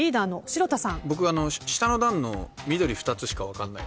僕下の段の緑２つしか分かんない。